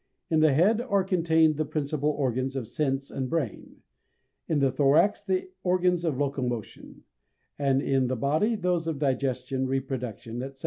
In the head are contained the principal organs of sense and brain; in the thorax, the organs of locomotion; and in the body those of digestion, reproduction, etc.